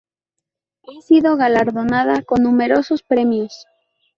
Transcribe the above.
Ha sido galardonada con numerosos premios.